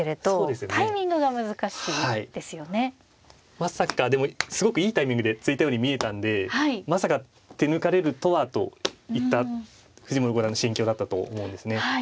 まさかでもすごくいいタイミングで突いたように見えたんでまさか手抜かれるとはといった藤森五段の心境だったと思うんですね。